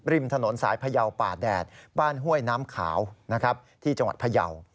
ริมถนนสายพยาวป่าแดดบ้านห้วยน้ำขาวนะครับที่จังหวัดพยาว